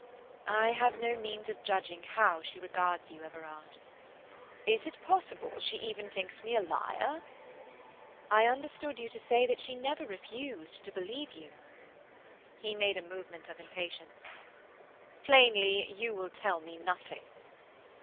"I have no means of judging how she regards you, Everard." "It is possible she even thinks me a liar?" "I understood you to say that she never refused to believe you." He made a movement of impatience. "Plainly—you will tell me nothing?"